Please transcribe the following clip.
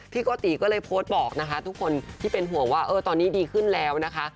โกติก็เลยโพสต์บอกนะคะทุกคนที่เป็นห่วงว่าตอนนี้ดีขึ้นแล้วนะคะ